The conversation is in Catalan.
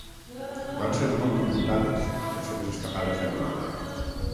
Van ser molt comentades, les seves escapades a Europa.